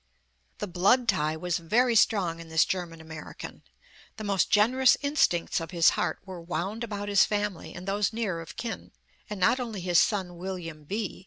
The blood tie was very strong in this German 302 Gathering the Threads American. The most generous instincts of his heart were wound about his family and those near of kin; and not only his son, William B.